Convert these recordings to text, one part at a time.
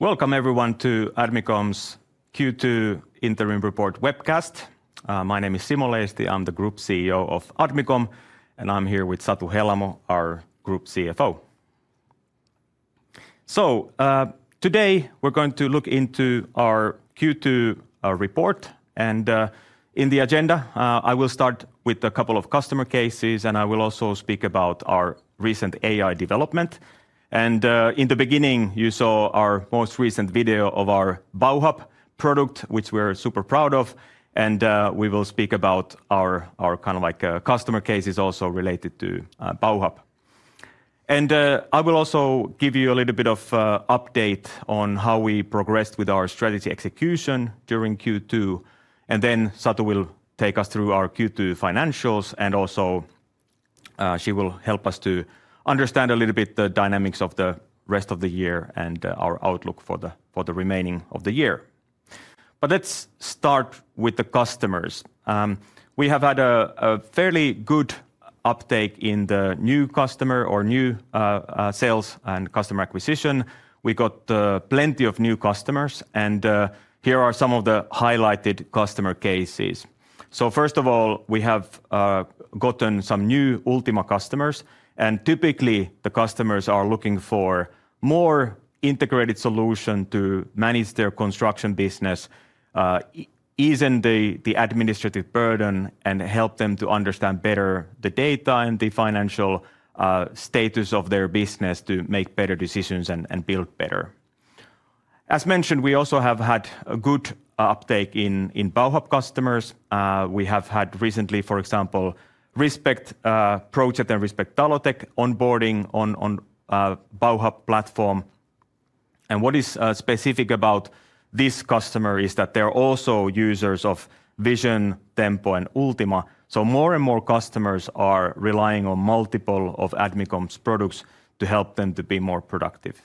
Welcome everyone to Admicom's Q2 interim report webcast. My name is Simo Leisti, I'm the Group CEO of Admicom and I'm here with Satu Helamo, our Group CFO. Today we're going to look into our Q2 report and in the agenda I will start with a couple of customer cases and I will also speak about our recent AI development. In the beginning you saw our most recent video of our Bauhub product, which we're super proud of. We will speak about our customer cases also related to Bauhub. I will also give you a little bit of update on how we progressed with our strategy execution during Q2. Satu will take us through our Q2 financials and also she will help us to understand a little bit the dynamics of the rest of the year and our outlook for the remaining of the year. Let's start with the customers. We have had a fairly good uptake in the new customer or new sales and customer acquisition. We got plenty of new customers and here are some of the highlighted customer cases. First of all, we have gotten some new Ultima customers and typically the customers are looking for more integrated solution to manage their construction business, easing the administrative burden and help them to understand better the data and the financial status of their business to make better decisions and build better. As mentioned, we also have had a good uptake in Bauhub customers. We have had recently, for example, Respect Project and Respect Talotec onboarding on Bauhub platform. What is specific about this customer is that they're also users of Vision, Tempo, and Ultima. More and more customers are relying on multiple of Admicom's products to help them to be more productive.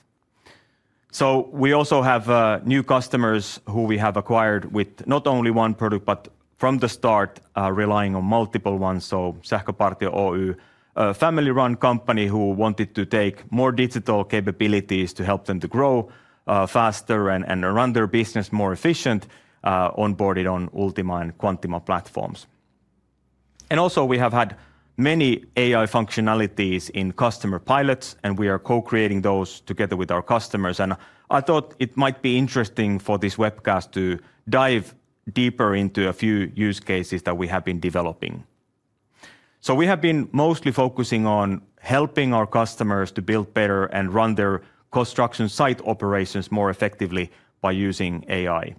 We also have new customers who we have acquired with not only one product but from the start relying on multiple ones. Sacopartio Oy, a family-run company who wanted to take more digital capabilities to help them to grow faster and run their business more efficient, onboarded on Ultima and Quantima platforms. We have had many AI functionalities in customer pilots and we are co-creating those together with our customers. I thought it might be interesting for this webcast to dive deeper into a few use cases that we have been developing. We have been mostly focusing on helping our customers to build better and run their construction site operations more effectively by using AI.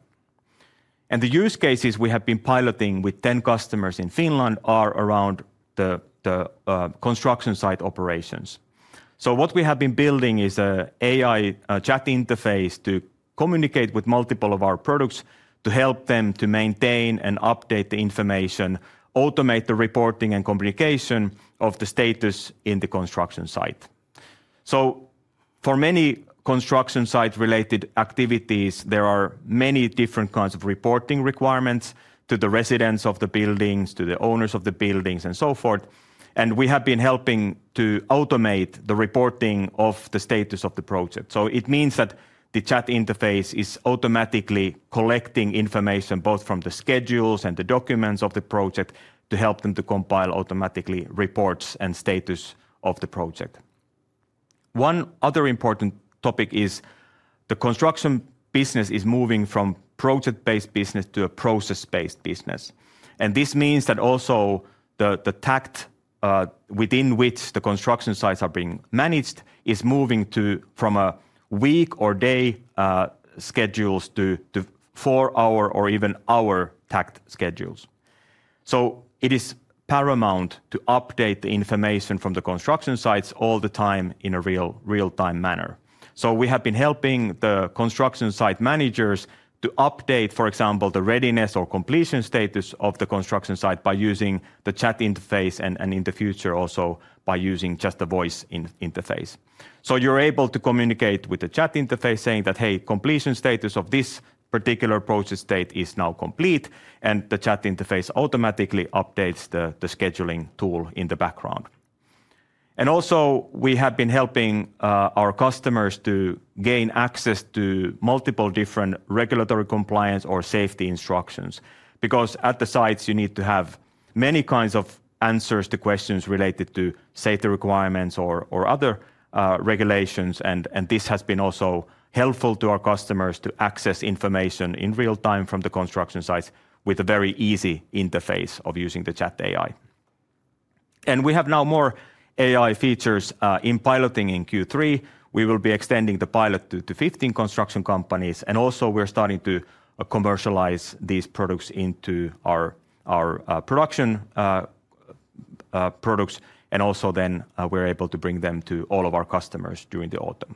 The use cases we have been piloting with 10 customers in Finland are around the construction site operations. What we have been building is an AI chat interface to communicate with multiple of our products to help them maintain and update the information, automate the reporting, and communication of the status in the construction site. For many construction site related activities, there are many different kinds of reporting requirements to the residents of the buildings, to the owners of the buildings, and so forth. We have been helping to automate the reporting of the status of the project. This means that the chat interface is automatically collecting information both from the schedules and the documents of the project to help them compile automatic reports and status of the project. One other important topic is the construction business is moving from project-based business to a process-based business. This means that also the takt within which the construction sites are being managed is moving from a week or day schedules to four-hour or even hour takt schedules. It is paramount to update the information from the construction sites all the time in a real-time manner. We have been helping the construction site managers to update, for example, the readiness or completion status of the construction site by using the chat interface and in the future also by using just the voice interface. You are able to communicate with the chat interface saying that, hey, completion status of this particular process state is now complete, and the chat interface automatically updates the scheduling tool in the background. We have been helping our customers to gain access to multiple different regulatory, compliance, or safety instructions. At the sites, you need to have many kinds of answers to questions related to safety requirements or other regulations. This has also been helpful to our customers to access information in real time from the construction sites with a very easy interface of using the chat AI. We have now more AI features in piloting. In Q3, we will be extending the pilot to 15 construction companies. We are starting to commercialize these products into our production products. We are able to bring them to all of our customers during the autumn.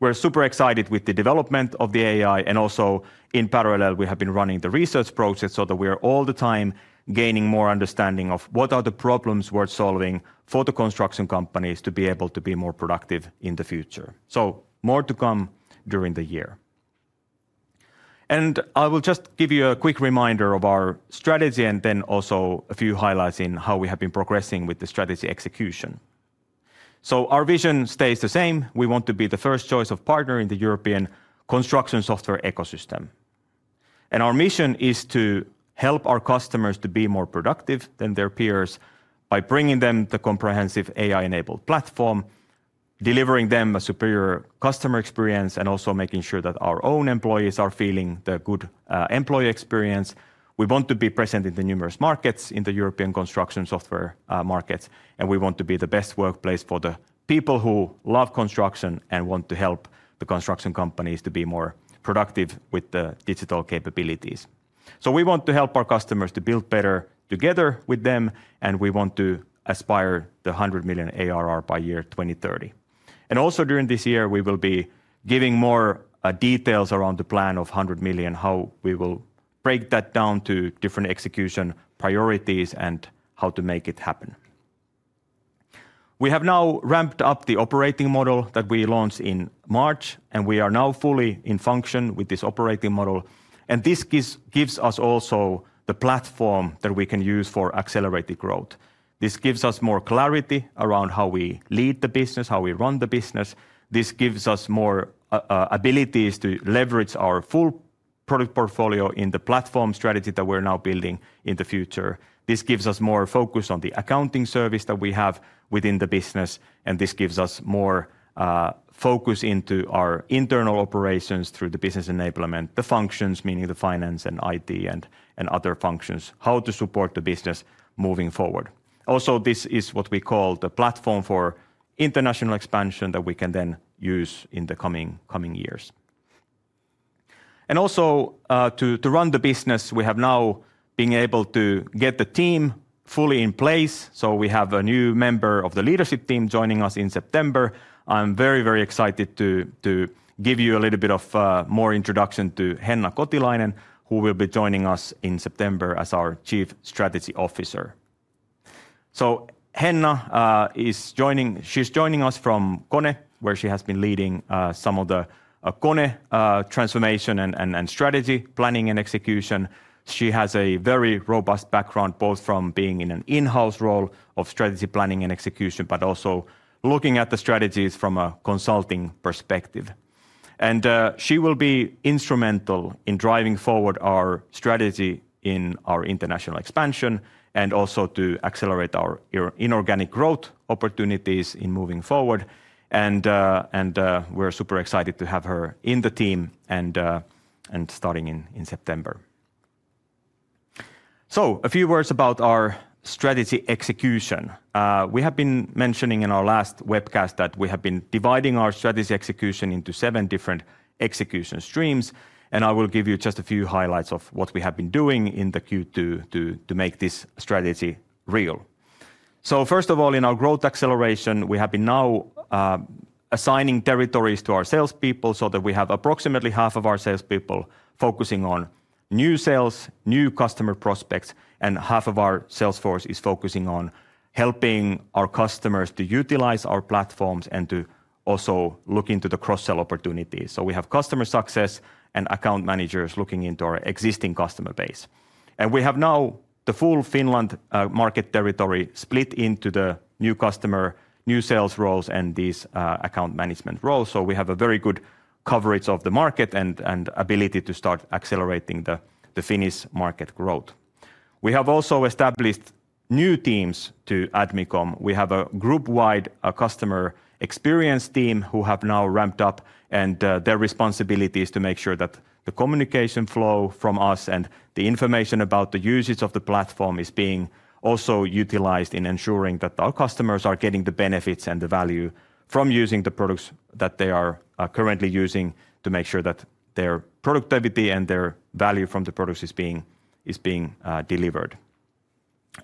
We are super excited with the development of the AI. Also, in parallel, we have been running the research process so that we are all the time gaining more understanding of what are the problems worth solving for the construction companies to be able to be more productive in the future. More to come during the year. I will just give you a quick reminder of our strategy and then also a few highlights in how we have been progressing with the strategy execution. Our vision stays the same. We want to be the first choice of partner in the European construction software ecosystem. Our mission is to help our customers to be more productive than their peers by bringing them the comprehensive AI enabled platform, delivering them a superior customer experience, and also making sure that our own employees are feeling the good employee experience. We want to be present in the numerous markets in the European construction software markets, and we want to be the best workplace for the people who love construction and want to help the construction companies to be more productive with the digital capabilities. We want to help our customers to build better together with them. We want to aspire the 100 million ARR by year 2030. Also, during this year we will be giving more details around the plan of 100 million, how we will break that down to different execution priorities, and how to make it happen. We have now ramped up the operating model that we launched in March, and we are now fully in function with this operating model. This gives us also the platform that we can use for accelerated growth. This gives us more clarity around how we lead the business, how we run the business. This gives us more abilities to leverage our full product portfolio in the platform strategy that we're now building in the future. This gives us more focus on the accounting service that we have within the business. This gives us more focus into our internal operations through the business enablement, the functions, meaning the finance and IT and other functions, how to support the business moving forward. This is what we call the platform for international expansion that we can then use in the coming years and also to run the business. We have now been able to get the team fully in place. We have a new member of the leadership team joining us in September. I'm very, very excited to give you a little bit more introduction to Henna Kotilainen who will be joining us in September as our Chief Strategy Officer. Henna is joining us from KONE where she has been leading some of the KONE transformation and strategy planning and execution. She has a very robust background, both from being in an in-house role of strategy planning and execution, but also looking at the strategies from a consulting perspective. She will be instrumental in driving forward our strategy in our international expansion and also to accelerate our inorganic growth opportunities moving forward. We're super excited to have her in the team and starting in September. A few words about our strategy execution. We have been mentioning in our last webcast that we have been dividing our strategy execution into seven different execution streams and I will give you just a few highlights of what we have been doing in Q2 to make this strategy real. First of all, in our growth acceleration we have been now assigning territories to our salespeople so that we have approximately half of our salespeople focusing on new sales, new customer prospects, and half of our salesforce is focusing on helping our customers to utilize our platforms and to also look into the cross-selling opportunities. We have customer success and account managers looking into our existing customer base and we have now the full Finland market territory split into the new customer, new sales roles, and these account management roles. We have a very good coverage of the market and ability to start accelerating the Finnish market growth. We have also established new teams to Admicom. We have a group-wide customer experience team who have now ramped up and their responsibility is to make sure that the communication flow from us and the information about the usage of the platform is being also utilized in ensuring that our customers are getting the benefits and the value from using the products that they are currently using to make sure that their productivity and their value from the products is being delivered.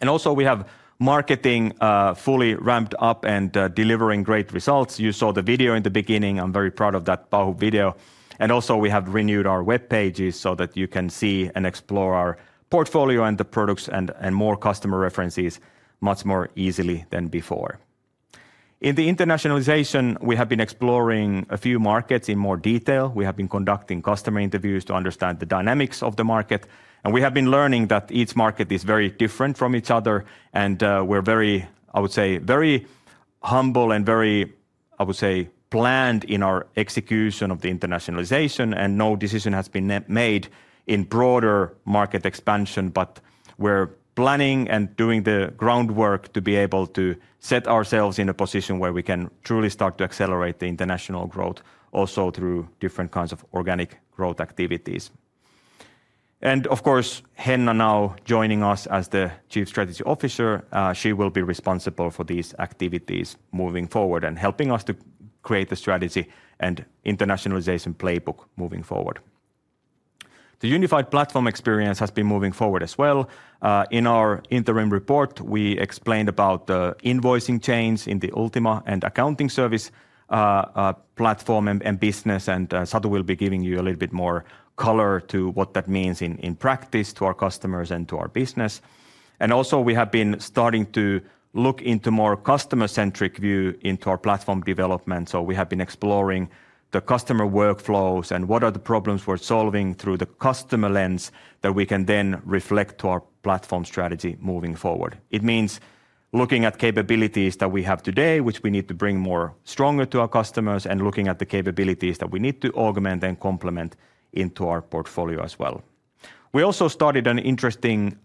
Also, we have marketing fully ramped up and delivering great results. You saw the video in the beginning. I'm very proud of that Bauhub video. We have renewed our web pages so that you can see and explore our portfolio and the products and more customer references much more easily than before. In the internationalization, we have been exploring a few markets in more detail. We have been conducting customer interviews to understand the dynamics of the market, and we have been learning that each market is very different from each other. We're very, I would say, very humble and very, I would say, planned in our execution of the internationalization. No decision has been made in broader market expansion. We're planning and doing the groundwork to be able to set ourselves in a position where we can truly start to accelerate the international growth also through different kinds of organic growth activities. Of course, Henna now joining us as the Chief Strategy Officer, she will be responsible for these activities moving forward and helping us to create the strategy and internationalization playbook. Moving forward, the unified platform experience has been moving forward as well. In our interim report, we explained about the invoicing chains in the Ultima and accounting services platform and business. Satu will be giving you a little bit more color to what that means in practice to our customers and to our business. We have been starting to look into a more customer-centric view into our platform development. We have been exploring the customer workflows and what are the problems we're solving through the customer lens that we can then reflect to our platform strategy moving forward. It means looking at capabilities that we have today, which we need to bring more strongly to our customers, and looking at the capabilities that we need to augment and complement into our portfolio as well. We also started an interesting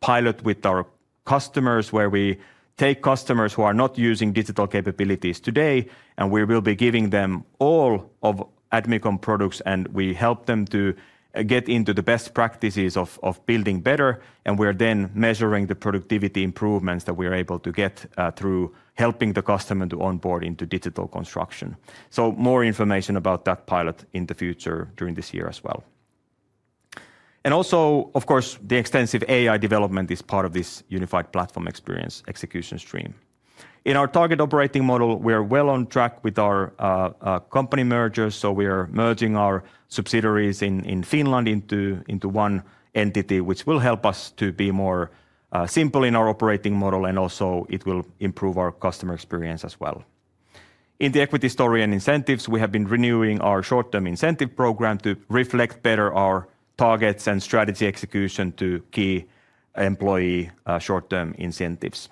pilot with our customers where we take customers who are not using digital capabilities today, and we will be giving them all of Admicom products, and we help them to get into the best practices of building better. We are then measuring the productivity improvements that we are able to get through helping the customer to onboard into digital construction. More information about that pilot in the future during this year as well. Also, of course, the extensive AI development is part of this unified platform experience execution stream. In our target operating model, we are well on track with our company mergers. We are merging our subsidiaries in Finland into one entity, which will help us to be more simple in our operating model, and also it will improve our customer experience as well. In the equity story and incentives, we have been renewing our short term incentive program to reflect better our targets and strategy execution to key employee short term incentives.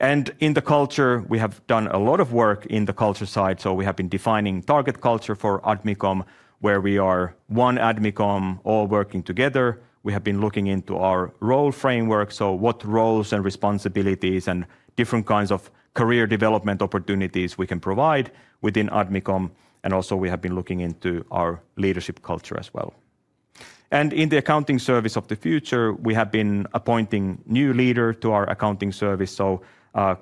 In the culture, we have done a lot of work in the culture side. We have been defining target culture for Admicom where we are one Admicom all working together. We have been looking into our role framework, what roles and responsibilities and different kinds of career development opportunities we can provide within Admicom. We have also been looking into our leadership culture as well. In the accounting service of the future, we have been appointing new leader to our accounting service.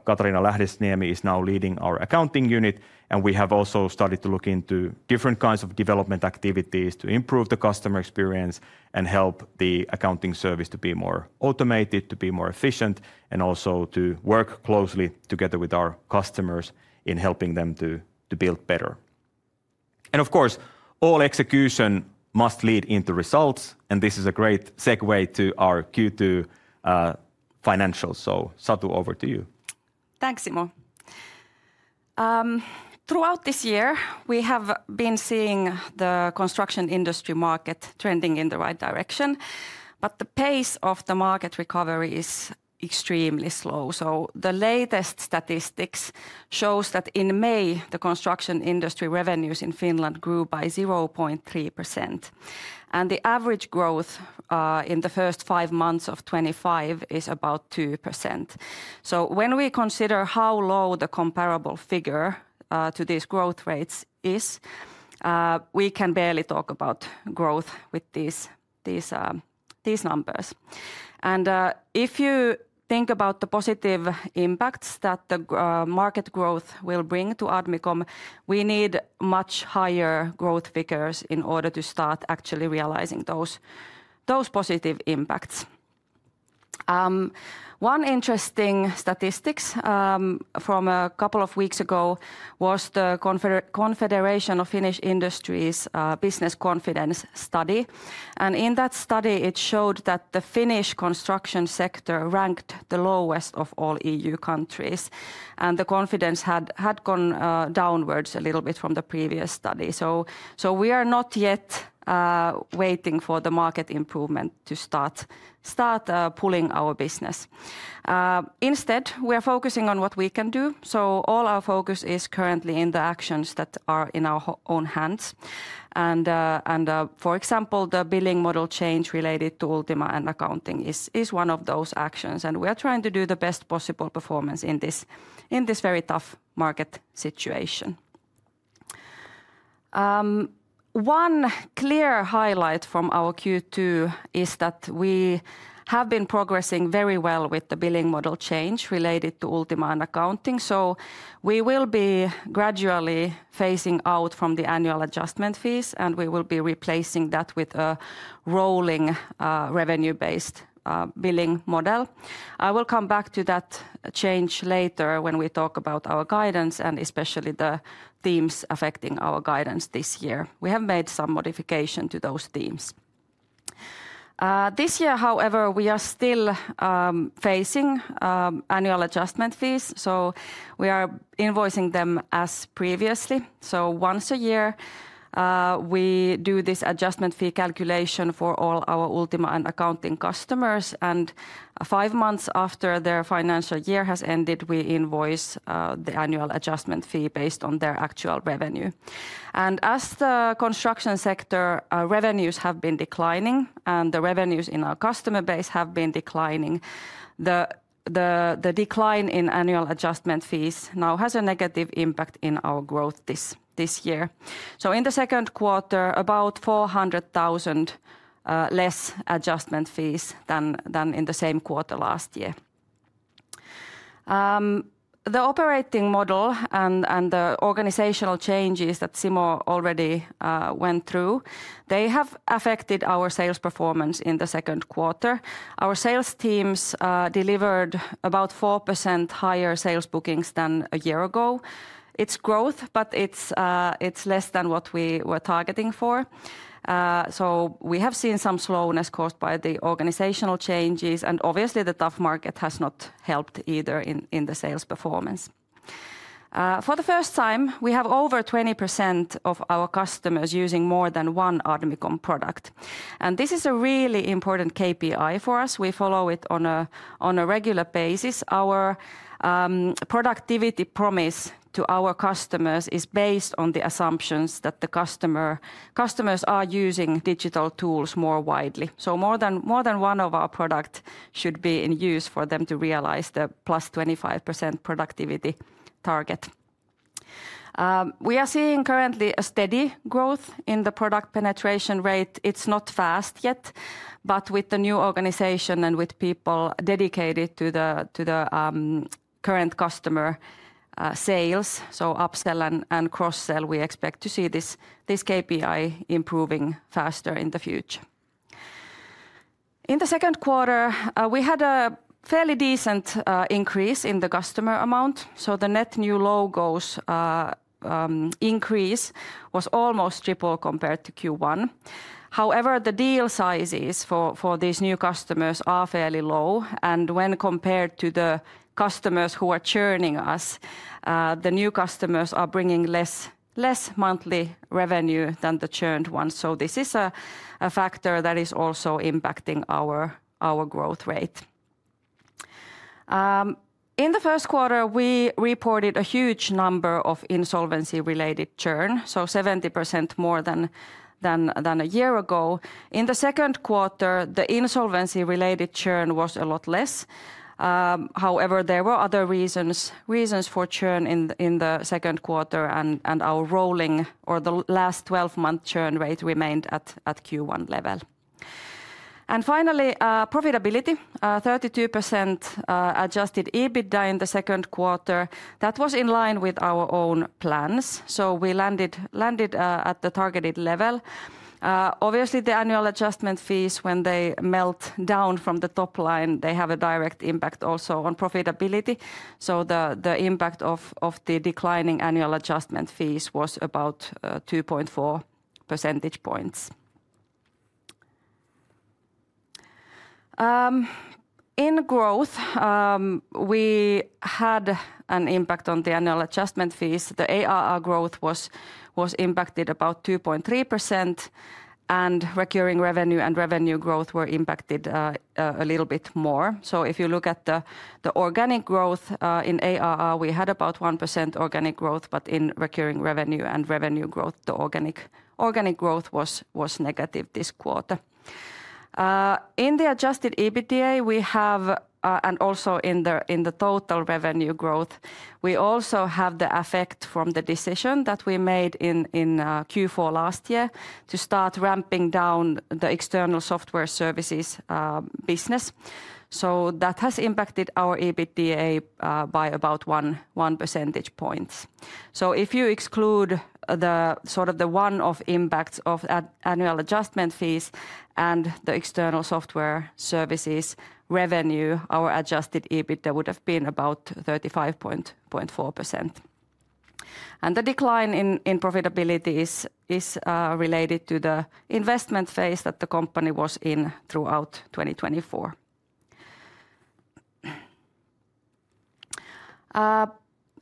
Katariina Lähdesniemi is now leading our accounting unit and we have also started to look into different kinds of development activities to improve the customer experience and help the accounting service to be more automated, to be more efficient and also to work closely together with our customers in helping them to build better. Of course, all execution must lead into results. This is a great segue to our Q2 financials. Satu, over to you. Thanks, Simo. Throughout this year, we have been seeing the construction industry market trending in the right direction, but the pace of the market recovery is extremely slow. The latest statistics show that in May, the construction industry revenues in Finland grew by 0.3%, and the average growth in the first five months of 2025 is about 2%. When we consider how low the comparable figure to these growth rates is, we can barely talk about growth with these numbers. If you think about the positive impacts that the market growth will bring to Admicom, we need much higher growth figures in order to start actually realizing those positive impacts. One interesting statistic from a couple of weeks ago was the Confederation of Finnish Industries Business Confidence study. In that study, it showed that the Finnish construction sector ranked the lowest of all EU countries, and the confidence had gone downwards a little bit from the previous study. We are not yet waiting for the market improvement to start pulling our business. Instead, we are focusing on what we can do. All our focus is currently in the actions that are in our own hands. For example, the billing model change related to Ultima and accounting is one of those actions, and we are trying to do the best possible performance in this very tough market situation. One clear highlight from our Q2 is that we have been progressing very well with the billing model change related to Ultima and accounting. We will be gradually phasing out from the annual adjustment fees, and we will be replacing that with a rolling revenue-based billing model. I will come back to that change later when we talk about our guidance and especially the themes affecting our guidance. This year, we have made some modifications and clarification to those themes. This year, however, we are still facing annual adjustment fees, so we are invoicing them as previously. Once a year, we do this adjustment fee calculation for all our Ultima and accounting customers, and five months after their financial year has ended, we invoice the annual adjustment fee based on their actual revenue. As the construction sector revenues have been declining and the revenues in our customer base have been declining, the decline in annual adjustment fees now has a negative impact in our growth this year. In the second quarter, about 400,000 less adjustment fees than in the same quarter last year. The operating model and the organizational changes that Simo already went through, they have affected our sales performance. In the second quarter our sales teams delivered about 4% higher sales bookings than a year ago. It's growth, but it's less than what we were targeting for. We have seen some slowness caused by the organizational changes, and obviously the tough market has not helped either in the sales performance. For the first time, we have over 20% of our customers using more than one Admicom product, and this is a really important KPI for us. We follow it on a regular basis. Our productivity promise to our customers is based on the assumptions that customers are using digital tools more widely. More than one of our products should be in use for them to realize the +25% productivity target. We are seeing currently a steady growth in the product penetration rate. It's not fast yet, but with the new organization and with people dedicated to the current customer sales, so upsell and cross-selling, we expect to see this KPI improving faster in the future. In the second quarter, we had a fairly decent increase in the customer amount, so the net new logos increase was almost triple compared to Q1. However, the deal sizes for these new customers are fairly low, and when compared to the customers who are churning us, the new customers are bringing less monthly revenue than the churned ones. This is a factor that is also impacting our growth rate. In the first quarter, we reported a huge number of insolvency-related churn, so 70% more than a year ago. In the second quarter, the insolvency-related churn was a lot less. However, there were other reasons for churn in the second quarter, and our rolling or the last 12 month churn rate remained at Q1 level. Finally, profitability: 32% adjusted EBITDA in the second quarter. That was in line with our own plans, so we landed at the targeted level. Obviously, the annual adjustment fees, when they melt down from the top line, have a direct impact also on profitability. The impact of the declining annual adjustment fees was about 2.4 percentage points in growth. We had an impact on the annual adjustment fees. The ARR growth was impacted about 2.3%, and recurring revenue and revenue growth were impacted a little bit more. If you look at the organic growth in ARR, we had about 1% organic growth, but in recurring revenue and revenue growth, the organic growth was negative this quarter. In the adjusted EBITDA we have, and also in the total revenue growth we also have the effect from the decision that we made in Q4 last year to start ramping down the external software services business. That has impacted our EBITDA by about 1%. If you exclude the sort of the one-off impact of annual adjustment fees and the external software services revenue, our adjusted EBITDA would have been about 35.4%. The decline in profitability is related to the investment phase that the company was in throughout 2024.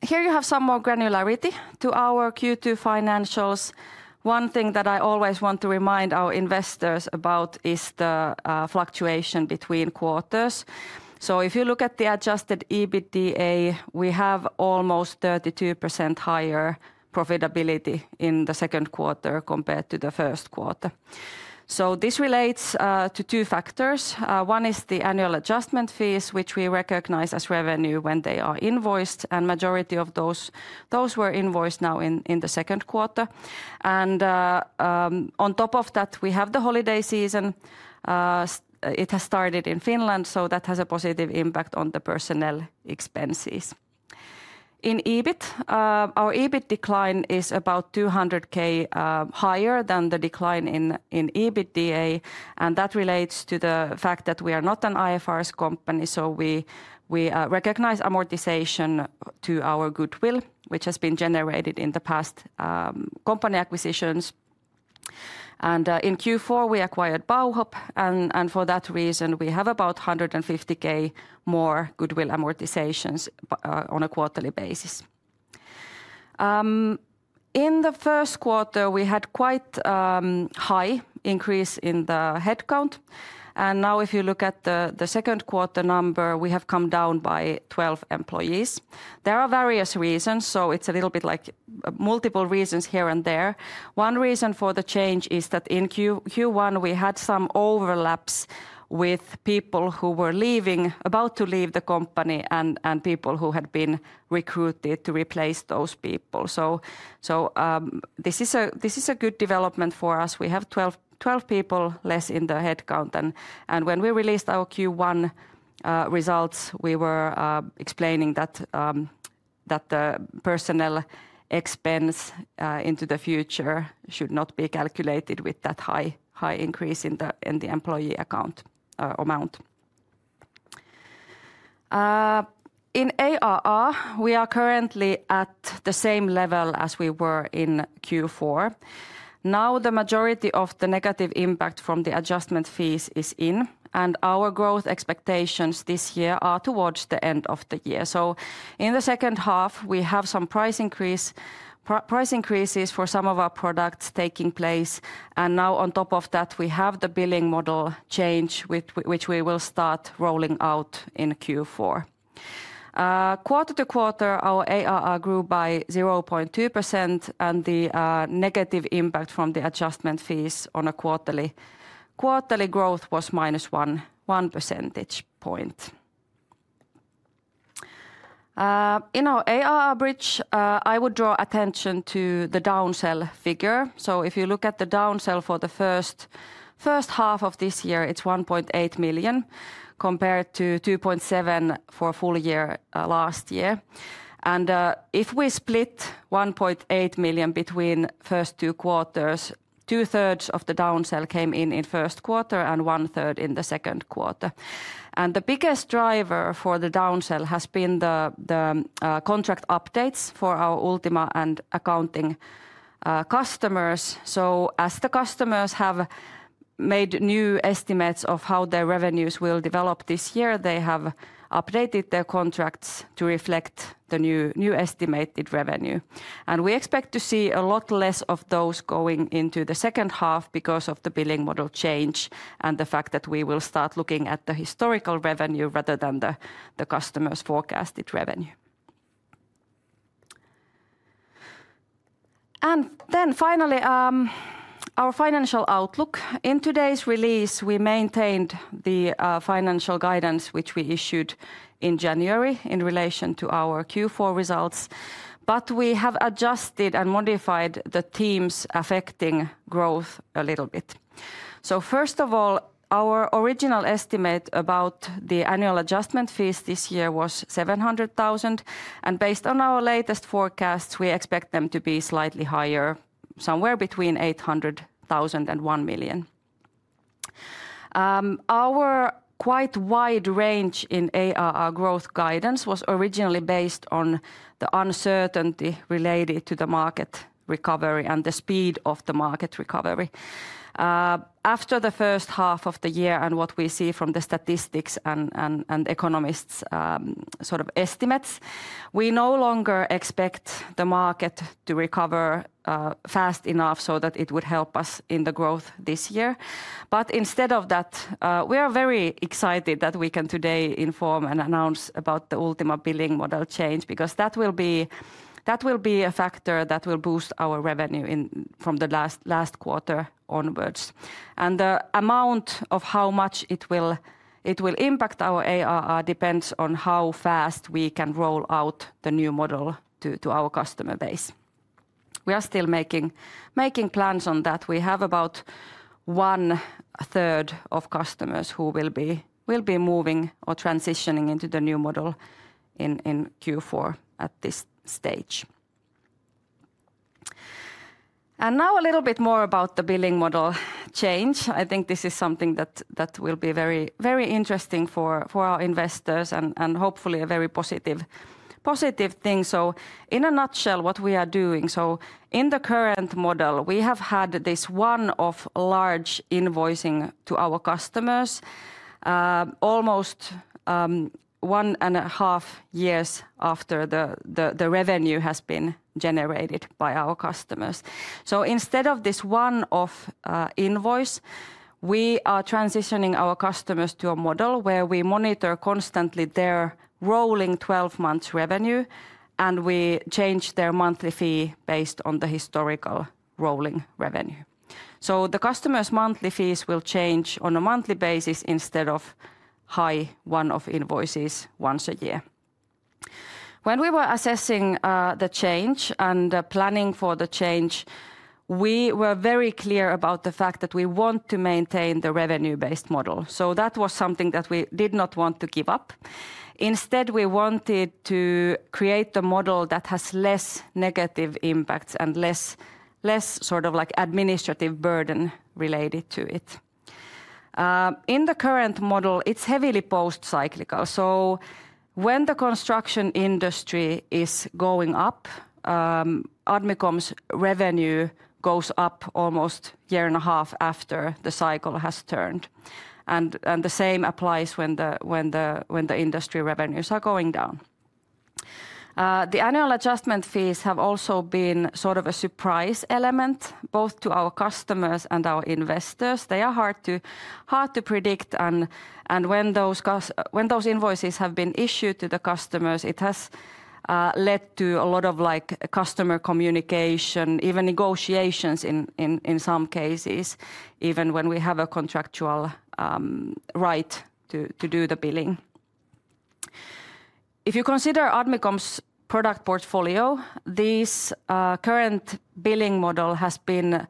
Here you have some more granularity to our Q2 financials. One thing that I always want to remind our investors about is the fluctuation between quarters. If you look at the adjusted EBITDA, we have almost 32% higher profitability in the second quarter compared to the first quarter. This relates to two factors. One is the annual adjustment fees, which we recognize as revenue when they are invoiced, and the majority of those were invoiced now in the second quarter. On top of that, we have the holiday season. It has started in Finland, so that has a positive impact on the personnel expenses in EBIT. Our EBIT decline is about 200,000 higher than the decline in EBITDA. That relates to the fact that we are not an IFRS company, so we recognize amortization to our goodwill, which has been generated in the past company acquisitions. In Q4 we acquired Bauhub, and for that reason we have about 150,000 more goodwill amortizations on a quarterly basis. In the first quarter we had quite high increase in the headcount. Now if you look at the second quarter number, we have come down by 12 employees. There are various reasons, so it's a little bit like multiple reasons here and there. One reason for the change is that in Q1 we had some overlaps with people who were leaving, about to leave the company, and people who had been recruited to replace those people. This is a good development for us. We have 12 people less in the headcount. When we released our Q1 results, we were explaining that the personnel expense into the future should not be calculated with that high increase in the employee count. In ARR we are currently at the same level as we were in Q4. Now the majority of the negative impact from the adjustment fees is in, and our growth expectations this year are towards the end of the year. In the second half we have some price increases for some of our products taking place. Now on top of that, we have the billing model change, which we will start rolling out in Q4. Quarter to quarter, our ARR grew by 0.2%, and the negative impact from the adjustment fees on quarterly growth was -1 percentage point. In our ARR bridge, I would draw attention to the downsell figure. If you look at the downsell for the first half of this year, it's 1.8 million compared to 2.7 million for full year last year. If we split 1.8 million between the first two quarters, two-thirds of the downsell came in the first quarter and one-third in the second quarter. The biggest driver for the downsell has been the contract updates for our Ultima and accounting customers. As the customers have made new estimates of how their revenues will develop this year, they have updated their contracts to reflect the new estimated revenue, and we expect to see a lot less of those going into the second half because of the billing model change and the fact that we will start looking at the historical revenue rather than the customers' forecasted revenue. Finally, our financial outlook. In today's release, we maintained the financial guidance which we issued in January in relation to our Q4 results, but we have adjusted and modified the themes affecting growth a little bit. First of all, our original estimate about the annual adjustment fees this year was 700,000, and based on our latest forecasts, we expect them to be slightly higher, somewhere between 800,000 and 1 million. Our quite wide range in ARR growth guidance was originally based on the uncertainty related to the market recovery and the speed of the market recovery after the first half of the year. From what we see from the statistics and economists' estimates, we no longer expect the market to recover fast enough so that it would help us in the growth this year. Instead, we are very excited that we can today inform and announce the Ultima billing model change because that will be a factor that will boost our revenue from the last quarter onwards. The amount of how much it will impact our ARR depends on how fast we can roll out the new model to our customer base. We are still making plans on that. We have about one-third of customers who will be moving or transitioning into the new model in Q4 at this stage. Now a little bit more about the billing model change. I think this is something that will be very interesting for our investors and hopefully a very positive, positive thing. In a nutshell, what we are doing: in the current model we have had this one-off large invoicing to our customers almost one and a half years after the revenue has been generated by our customers. Instead of this one-off invoice, we are transitioning our customers to a model where we monitor constantly their rolling 12 months revenue and we change their monthly fee based on the historical rolling revenue. The customer's monthly fees will change on a monthly basis instead of high one-off invoices once a year. When we were assessing the change and planning for the change, we were very clear about the fact that we want to maintain the revenue-based model. That was something that we did not want to give up. Instead, we wanted to create the model that has less negative impacts and less sort of administrative burden related to it. In the current model, it's heavily post-cyclical. When the construction industry is going up, Admicom's revenue goes up almost a year and a half after the cycle has turned. The same applies when the industry revenues are going down. The annual adjustment fees have also been sort of a surprise element both to our customers and our investors. They are hard to predict. When those invoices have been issued to the customers, it has led to a lot of customer communication, even negotiations in some cases, even when we have a contractual right to do the billing. If you consider Admicom's product portfolio, this current billing model has been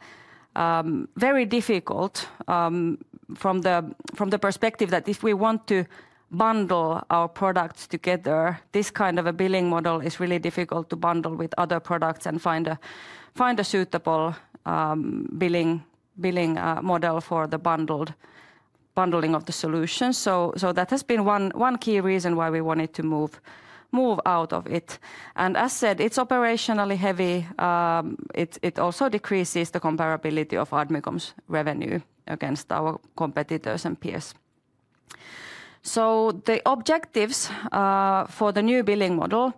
very difficult from the perspective that if we want to bundle our products together, this kind of a billing model is really difficult to bundle with other products and find a suitable billing model for the bundling of the solutions. That has been one key reason why we wanted to move out of it. As said, it's operationally heavy. It also decreases the comparability of Admicom's revenue against our competitors and peers. The objectives for the new billing model: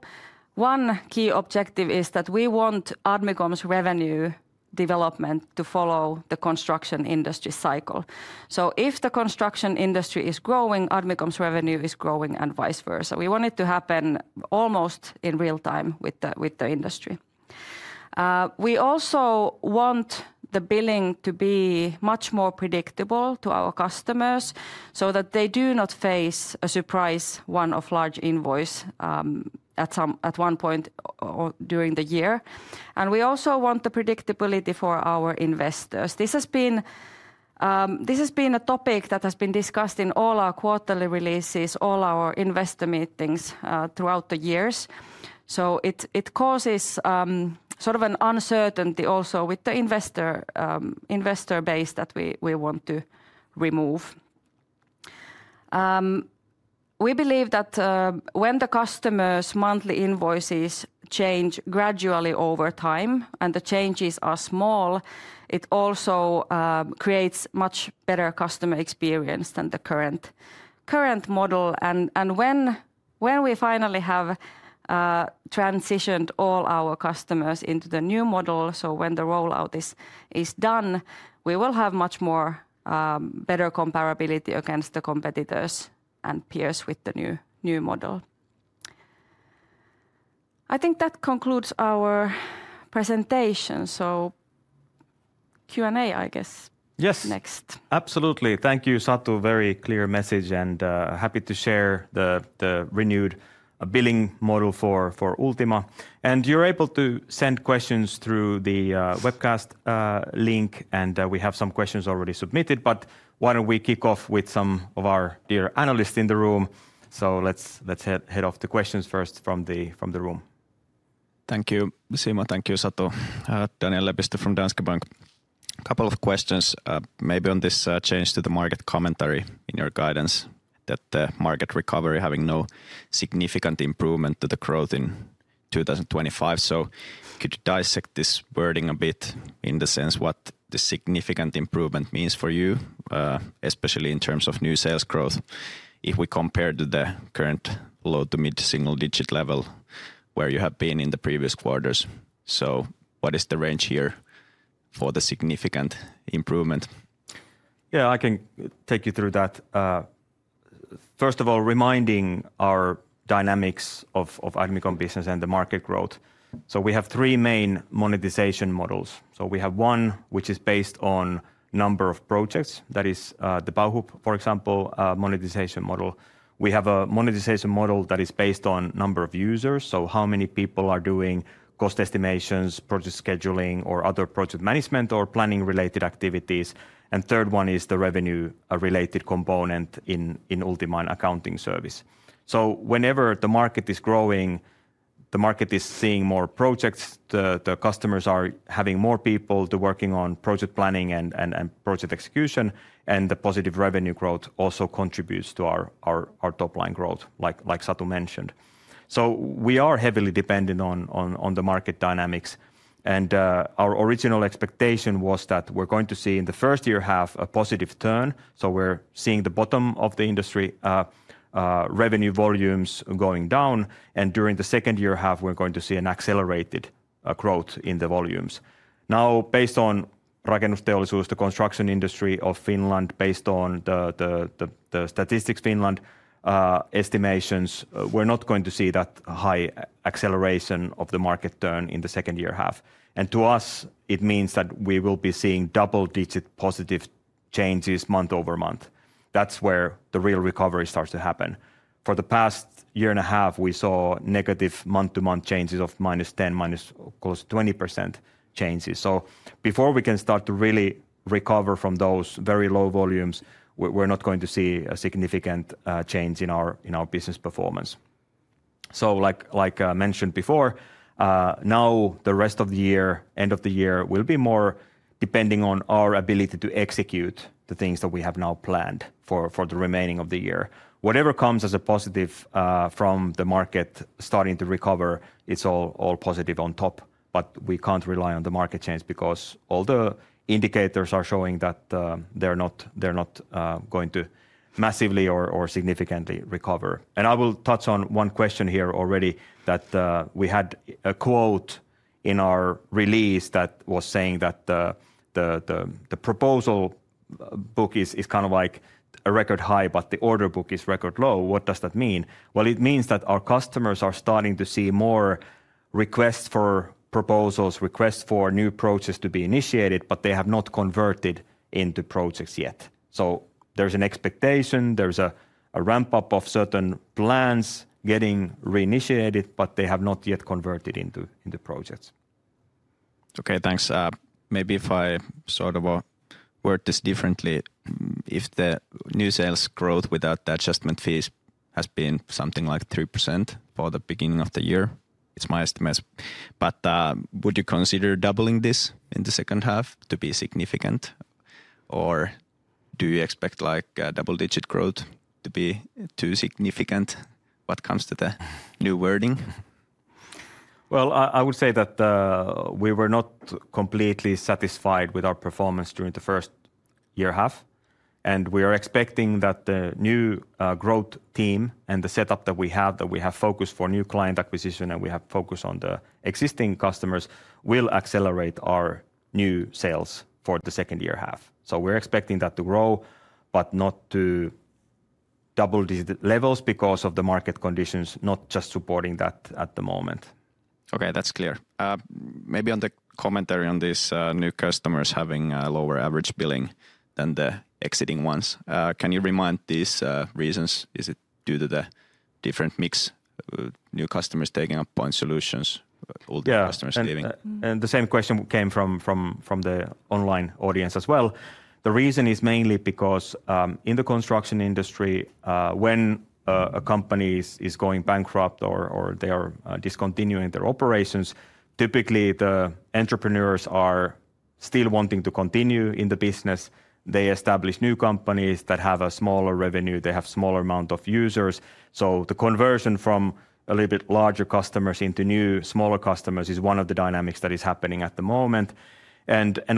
one key objective is that we want Admicom's revenue development to follow the construction industry cycle. If the construction industry is growing, Admicom's revenue is growing and vice versa. We want it to happen almost in real time with the industry. We also want the billing to be much more predictable to our customers so that they do not face a surprise one-off large invoice at one point during the year. We also want the predictability for our investors. This has been a topic that has been discussed in all our quarterly releases, all our investor meetings throughout the years. It causes sort of an uncertainty also with the investor base that we want to remove. We believe that when the customer's monthly invoices change gradually over time and the changes are small, it also creates much better customer experience than the current model. When we finally have transitioned all our customers into the new model, when the rollout is done, we will have much better comparability against the competitors and peers with the new model. I think that concludes our presentation. Q&A, I guess. Yes. Next. Absolutely. Thank you, Satu. Very clear message and happy to share the renewed billing model for Ultima. You're able to send questions through the webcast link and we have some questions already submitted. Why don't we kick off with some of our dear analysts in the room? Let's head off the questions first from the room. Thank you, Simo. Thank you, Satu. Daniel Lepistö from Danske Bank. Couple of questions maybe on this change to the market commentary in your guidance that the market recovery having no significant improvement to the growth in 2025. Could you dissect this wording a bit in the sense what the significant improvement means for you, especially in terms of new sales growth if we compare to the current low to mid single digit level where you have been in the previous quarters? What is the range here for the significant improvement? Yeah, I can take you through that. First of all, reminding our dynamics of Admicom business and the market growth. We have three main monetization models. We have one which is based on number of projects, that is the Bauhub, for example, monetization model. We have a monetization model that is based on number of users, so how many people are doing cost estimations, project scheduling, or other project management or planning related activities. The third one is the revenue related component in Ultima accounting services. Whenever the market is growing, the market is seeing more projects, the customers are having more people working on project planning and project execution, and the positive revenue growth also contributes to our top line growth like Satu mentioned. We are heavily dependent on the market dynamics and our original expectation was that we're going to see in the first year half a positive turn. We're seeing the bottom of the industry revenue volumes going down and during the second year half we're going to see an accelerated growth in the volumes. Now, based on Rakennusteollisuus RT, who's the construction industry of Finland, based on the Statistics Finland estimations, we're not going to see that high acceleration of the market turn in the second year half. To us it means that we will be seeing double digit positive changes month over month. That's where the real recovery starts to happen. For the past year and a half we saw negative month to month changes of -10%, -20% changes. Before we can start to really, really recover from those very low volumes, we're not going to see a significant change in our business performance. Like I mentioned before, now the rest of the year, end of the year, will be more depending on our ability to execute the things that we have now planned for the remaining of the year. Whatever comes as a positive from the market starting to recover, it's all positive on top. We can't rely on the market change because all the indicators are showing that they're not going to massively or significantly recover. I will touch on one question here already that we had a quote in our release that was saying that the proposal book is kind of like a record high, but the order book is record low. What does that mean? It means that our customers are starting to see more requests for proposals, requests for new projects to be initiated, but they have not converted into projects yet. There's an expectation, there's a ramp up of certain plans getting reinitiated, but they have not yet converted into projects. Okay, thanks. Maybe if I sort of word this differently. If the new sales growth without the adjustment feature has been something like 3% for the beginning of the year, it's my estimates. Would you consider doubling this in the second half to be significant, or do you expect like double digit growth to be too significant when it comes to the new wording? I would say that we were not completely satisfied with our performance during the first year half, and we are expecting that the new growth team and the setup that we have, that we have focused for new client acquisition and we have focus on the existing customers, will accelerate our new sales for the second year half. We are expecting that to grow, but not to double these levels because of the market conditions, not just supporting that at the moment. Okay, that's clear. Maybe on the commentary on these new customers having lower average billing than the existing ones. Can you remind these reasons? Is it due to the different mix, new customers taking up point solutions, old customers? The same question came from the online audience as well. The reason is mainly because in the construction industry, when a company is going bankrupt or they are discontinuing their operations, typically the entrepreneurs are still wanting to continue in the business. They establish new companies that have a smaller revenue, they have a smaller amount of users. The conversion from a little bit larger customers into new smaller customers is one of the dynamics that is happening at the moment.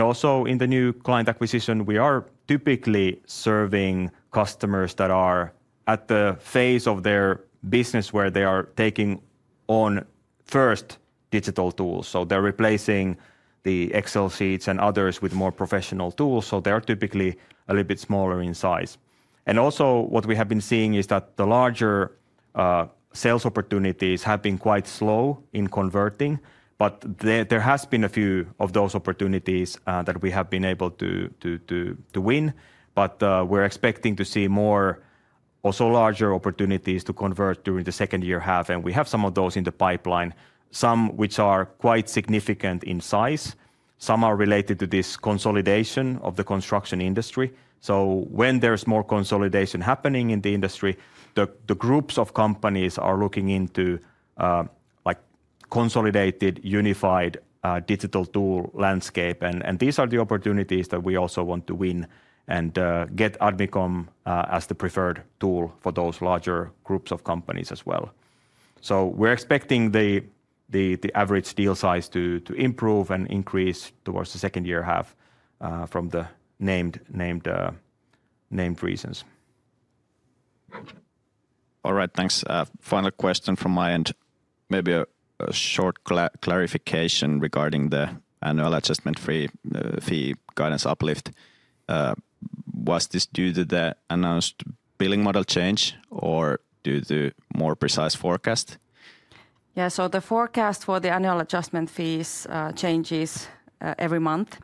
Also, in the new client acquisition, we are typically serving customers that are at the phase of their business where they are taking on first digital tools. They're replacing the Excel sheets and others with more professional tools, so they're typically a little bit smaller in size. What we have been seeing is that the larger sales opportunities have been quite slow in converting. There have been a few of those opportunities that we have been able to win. We're expecting to see more larger opportunities convert during the second year half. We have some of those in the pipeline, some which are quite significant in size, some are related to this consolidation of the construction industry. When there's more consolidation happening in the industry, the groups of companies are looking into consolidated unified digital tool landscape. These are the opportunities that we also want to weave and get Admicom as the preferred tool for those larger groups of companies as well. We're expecting the average deal size to improve and increase towards the second year half from the named reasons. All right, thanks. Final question from my end. Maybe a short clarification regarding the annual adjustment fee guidance uplift. Was this due to the announced billing model change or due to the more precise forecast? Yeah, the forecast for the annual adjustment fees changes every month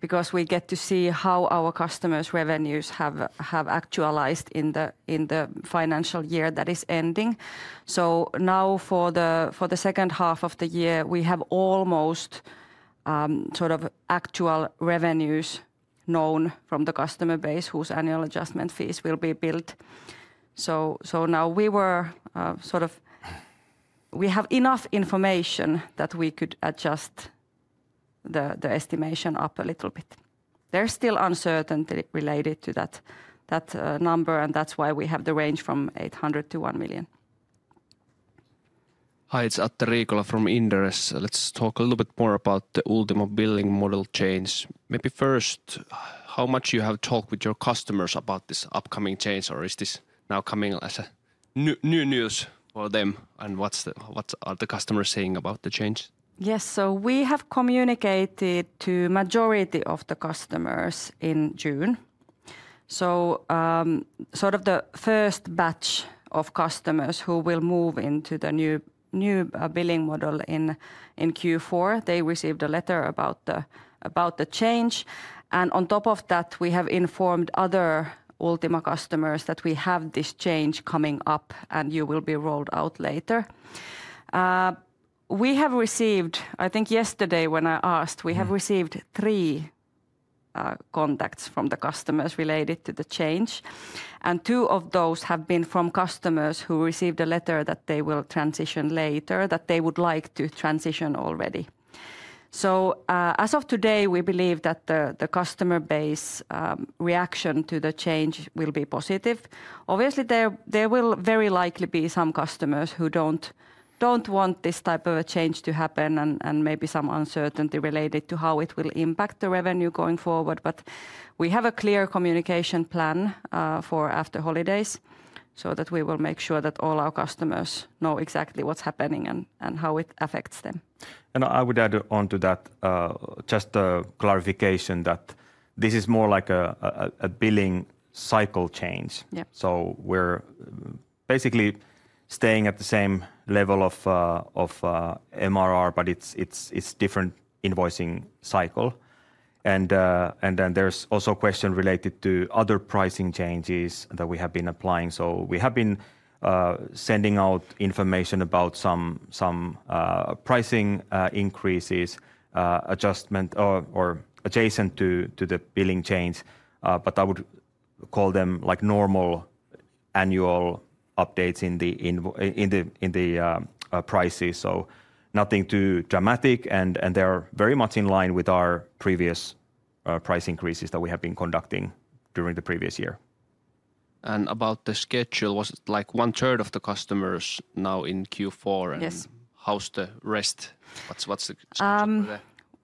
because we get to see how our customers' revenues have actualized in the financial year that is ending. For the second half of the year, we have almost actual revenues known from the customer base whose annual adjustment fees will be billed. We have enough information that we could adjust the estimation up a little bit. There's still uncertainty related to that number, and that's why we have the range from 800,000 to 1 million. Hi, it's Atte Riikola from Inderes. Let's talk a little bit more about the Ultima billing model change. Maybe first, how much have you talked with your customers about this upcoming change or is this now coming as new news for them, and what are the customers saying about the change? Yes, we have communicated to the majority of the customers in June. The first batch of customers who will move into the new billing model in Q4 received a letter about the change. On top of that, we have informed other Ultima customers that we have this change coming up and they will be rolled out later. We have received, I think yesterday when I asked, three contacts from the customers related to the change, and two of those have been from customers who received a letter that they will transition later, saying that they would like to transition already. As of today, we believe that the customer base reaction to the change will be positive. Obviously, there will very likely be some customers who don't want this type of a change to happen and maybe some uncertainty related to how it will impact the revenue going forward. We have a clear communication plan for after holidays so that we will make sure that all our customers know exactly what's happening and how it affects them. I would add on to that just a clarification that this is more like a billing cycle change. We're basically staying at the same level of MRR, but it's a different invoicing cycle. There's also a question related to other pricing changes that we have been applying. We have been sending out information about some pricing increases, adjustment or adjacent to the billing change, but I would call them like normal annual updates in the prices. Nothing too dramatic and they are very much in line with our previous price increases that we have been conducting during the previous year. And about the schedule was like one third of the customers now in Q4, and yes, how's the rest? The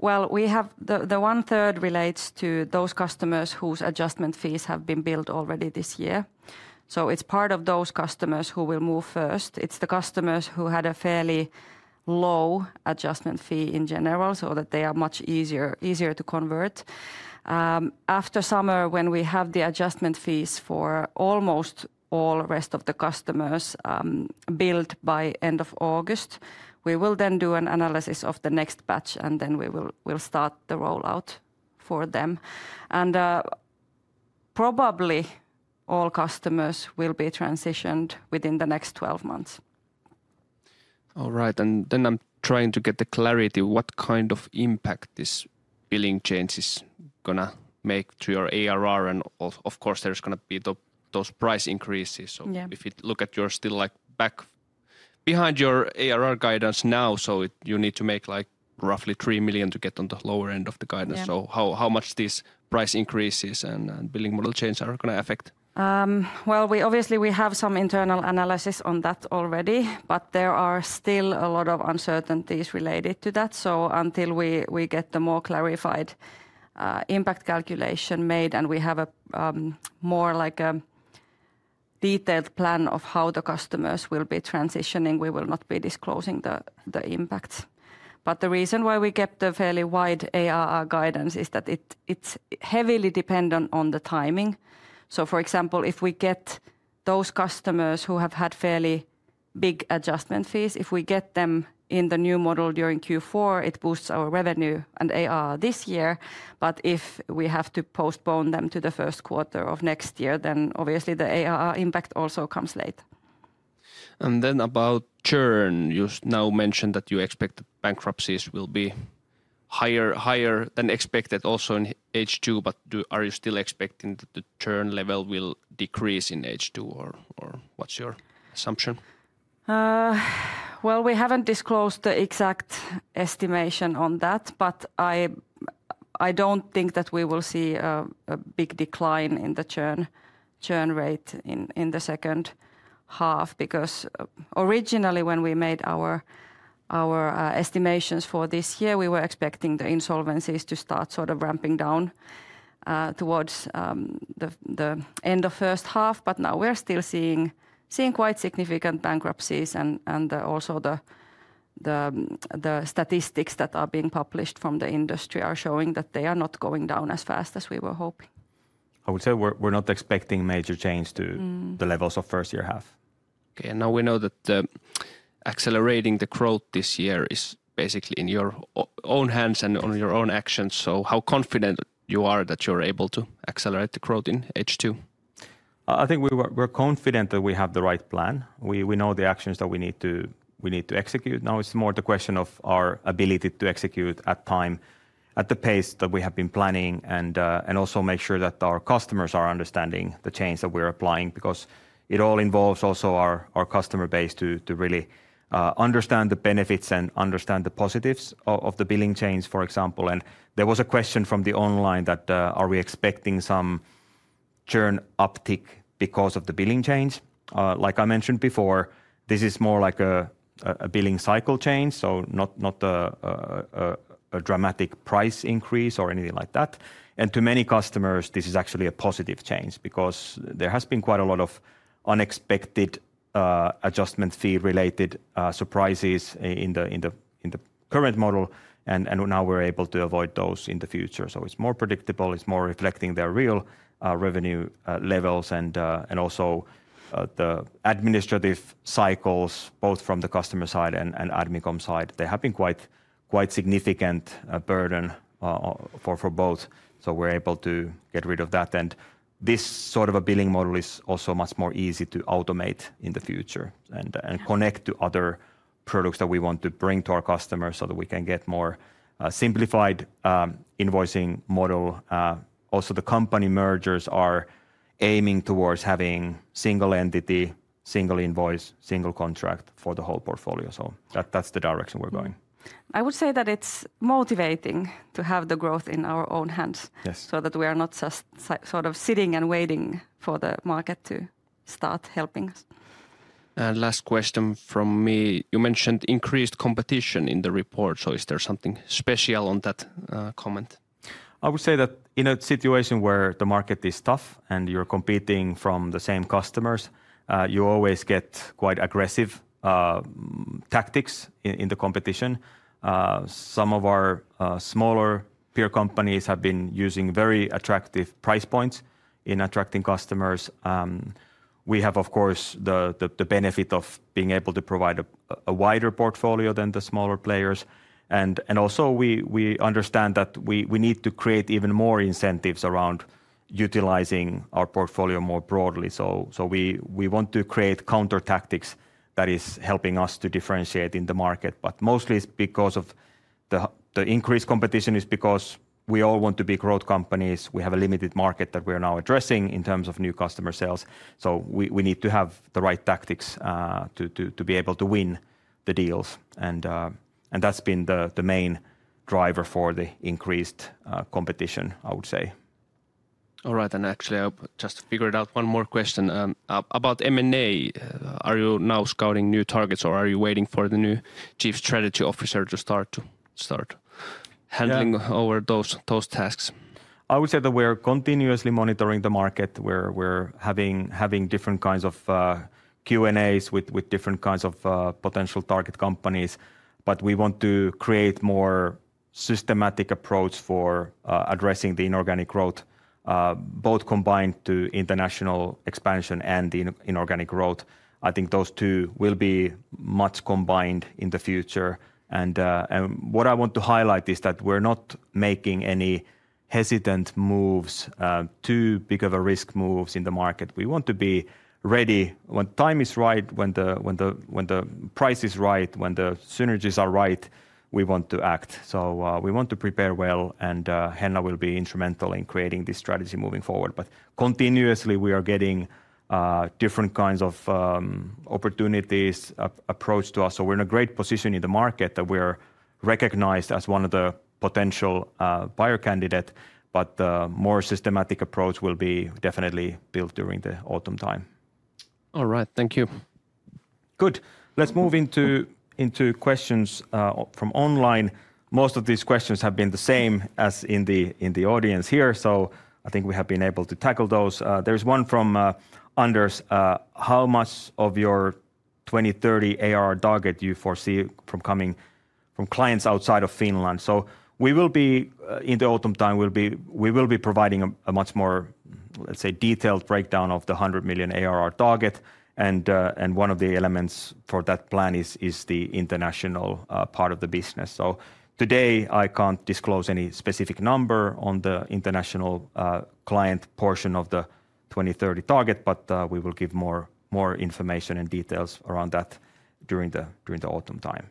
1/3 relates to those customers whose annual adjustment fees have been billed already this year. It is part of those customers who will move first. It is the customers who had a fairly low annual adjustment fee in general, so they are much easier to convert. After summer, when we have the annual adjustment fees for almost all the rest of the customers billed by the end of August, we will do an analysis of the next batch and start the rollout for them. Probably all customers will be transitioned within the next 12 months. All right. I'm trying to get the clarity what kind of impact this billing change is going to make to your ARR. Of course there's going to be those price increases. If you look at your statistics still like back behind your ARR guidance now, you need to make like roughly 3 million to get on the lower end of the guidance. How much these price increases and billing model change are going to affect? We obviously have some internal analysis on that already, but there are still a lot of uncertainties related to that. Until we get the more clarified impact calculation made and we have a more detailed plan of how the customers will be transitioning, we will not be disclosing the impacts. The reason why we kept a fairly wide ARR guidance is that it's heavily dependent on the timing. For example, if we get those customers who have had fairly big annual adjustment fees, if we get them in the new model during Q4, it boosts our revenue and ARR this year. If we have to postpone them to the first quarter of next year, then obviously the impact also comes late. About churn, you mentioned that you expect bankruptcies will be higher than expected also in H2. Are you still expecting that the churn level will decrease in H2, or what's your assumption? We haven't disclosed the exact estimation on that, but I don't think that we will see a big decline in the churn rate in the second half because originally when we made our estimations for this year, we were expecting the insolvencies to start sort of ramping down towards the end of the first half. Now we're still seeing quite significant bankruptcies, and also the statistics that are being published from the industry are showing that they are not going down as fast as we were hoping. I would say we're not expecting major change to the levels of first year half. Okay. We know that accelerating the growth this year is basically in your own hands and on your own actions. How confident are you that you're able to accelerate the growth in H2? I think we're confident that we have the right plan. We know the actions that we need to execute now. It's more the question of our ability to execute at times at the pace that we have been planning and also make sure that our customers are understanding the change that we're applying because it all involves also our customer base to really understand the benefits and understand the positives of the billing change. For example, there was a question from online that are we expecting some churn uptick because of the billing change? Like I mentioned before, this is more like a billing cycle change, not a dramatic price increase or anything like that. To many customers this is actually a positive change because there has been quite a lot of unexpected annual adjustment fee related surprises in the current model and now we're able to avoid those in the future. It's more predictable, it's more reflecting their real revenue levels. Also, the administrative cycles, both from the customer side and Admicom side, have been quite significant burden for both. We're able to get rid of that. This sort of a billing model is also much more easy to automate in the future and connect to other products that we want to bring to our customers so that we can get more simplified invoicing model. Also, the company mergers are aiming towards having single entity, single invoice, single contract for the whole portfolio. That's the direction we're going. I would say that it's motivating to have the growth in our own hands, so that we are not just sort of sitting and waiting for the market to start helping us. You mentioned increased competition in the report. Is there something special on that comment? I would say that in a situation where the market is tough and you're competing from the same customers, you always get quite aggressive, aggressive tactics in the competition. Some of our smaller peer companies have been using very attractive price points in attracting customers. We have, of course, the benefit of being able to provide a wider portfolio than the smaller players. We also understand that we need to create even more incentives around utilizing our portfolio more broadly. We want to create counter tactics that are helping us to differentiate in the market. Mostly, the increased competition is because we all want to be growth companies. We have a limited market that we are now addressing in terms of new customer sales. We need to have the right tactics to be able to win the deals. That's been the main driver for the increased competition, I would say. All right. Actually, I just figured out one more question about M&A. Are you now scouting new targets, or are you waiting for the new Chief Strategy Officer to start handling over those tasks? I would say that we are continuously monitoring the market. We're having different kinds of Q&As with different kinds of potential target companies. We want to create a more systematic approach for addressing the inorganic growth, both combined to international expansion and inorganic growth. I think those two will be much combined in the future. What I want to highlight is that we're not making any hesitant moves, too big of a risk moves in the market. We want to be ready when time is right, when the price is right, when the synergies are right. We want to act. We want to prepare well. Henna will be instrumental in creating this strategy moving forward. Continuously we are getting different kinds of opportunities approached to us. We're in a great position in the market that we're recognized as one of the potential buyer candidate. The more systematic approach will be definitely built during the autumn time. All right, thank you. Good. Let's move into questions from online. Most of these questions have been the same as in the audience here, so I think we have been able to tackle those. There's one from Anders. How much of your 2030 ARR do you foresee coming from clients outside of Finland? In the autumn time, we will be providing a much more, let's say, detailed breakdown of the 100 million ARR target. One of the elements for that plan is the international part of the business. Today I can't disclose any specific number on the international client portion of the 2030 target, but we will give more information and details around that during the autumn time.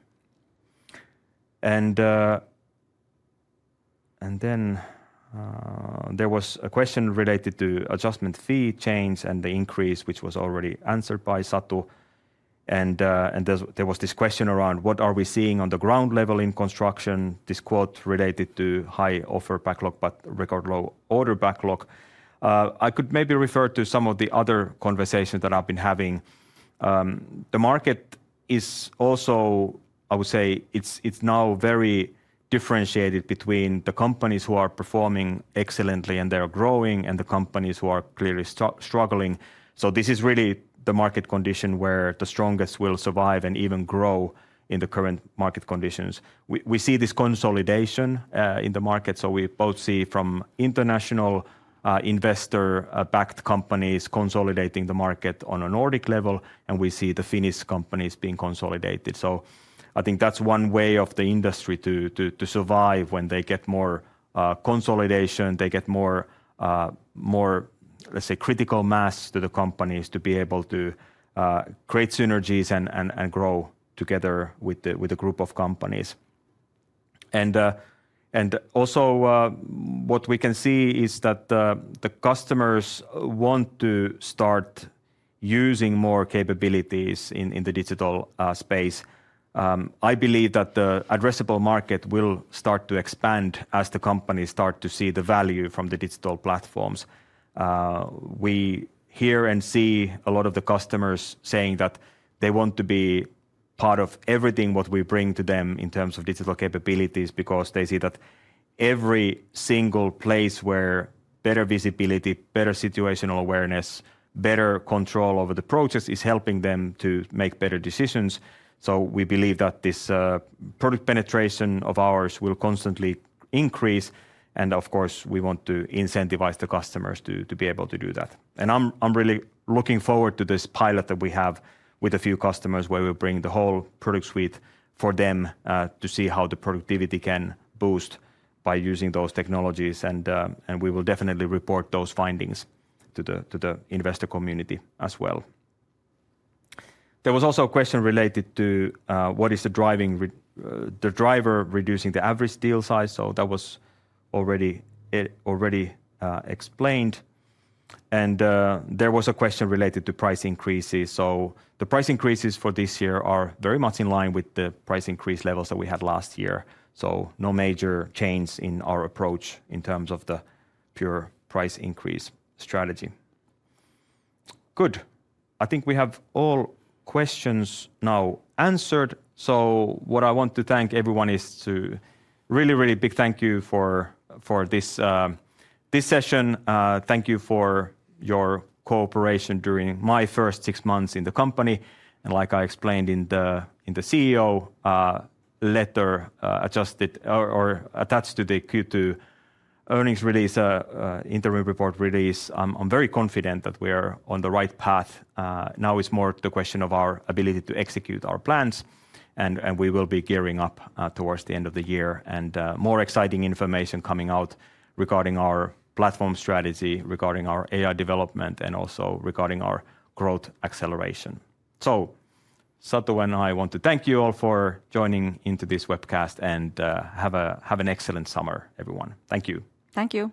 There was a question related to adjustment fee change and the increase, which was already answered by Satu. There was also this question around what are we seeing on the ground level in construction. This quote related to high offer backlog, but record low order backlog. I could maybe refer to some of the other conversations that I've been having. The market is also, I would say, it's now very differentiated between the companies who are performing excellently and they're growing and the companies who are clearly struggling. This is really the market condition where the strongest will survive and even grow in the current market conditions. We see this consolidation in the market. We both see international investor-backed companies consolidating the market on a Nordic level and we see the Finnish companies being consolidated. I think that's one way for the industry to survive. When they get more consolidation, they get more, let's say, critical mass to the companies to be able to create synergies and grow together with a group of companies. Also, what we can see is that the customers want to start using more capabilities in the digital space. I believe that the addressable market will start to expand as the companies start to see the value from the digital platform. We hear and see a lot of the customers saying that they want to be part of everything we bring to them in terms of digital capabilities because they see that every single place where better visibility, better situational awareness, better control over the process is helping them to make better decisions. We believe that this product penetration of ours will constantly increase and of course we want to incentivize the customers to be able to do that. I'm really looking forward to this pilot that we have with a few customers where we bring the whole product suite for them to see how the productivity can boost by using those technologies. We will definitely report those findings to the investor community as well. There was also a question related to what is the driver, the driver reducing the average deal size. That was already explained and there was a question related to price increases. The price increases for this year are very much in line with the price increase levels that we had last year. No major change in our approach in terms of the pure price increase strategy. I think we have all questions now answered. What I want to thank everyone is to really, really big thank you for this session. Thank you for your cooperation during my first six months in the company and like I explained in the CEO letter attached to the Q2 earnings release interim report release, I'm very confident that we are on the right path. Now it's more the question of our ability to execute our plans and we will be gearing up towards the end of the year. More exciting information coming out regarding our platform strategy, regarding our AI development and also regarding our growth acceleration. Satu and I want to thank you all for joining into this webcast and have an excellent summer everyone. Thank you. Thank you.